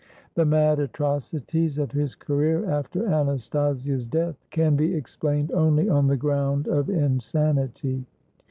The mad atrocities of his career after Anastasia's death can be explained only on the ground of insanity.